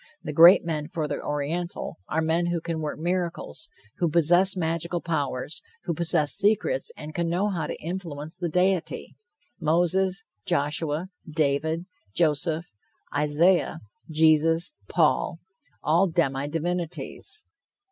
The great men for the Oriental are men who can work miracles, who possess magical powers, who possess secrets and can know how to influence the deity, Moses, Joshua, David, Joseph, Isaiah, Jesus, Paul, all demi divinities.